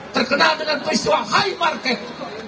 terkenal dengan peristiwa high market